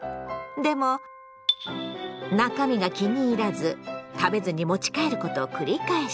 でも中身が気に入らず食べずに持ち帰ることを繰り返した。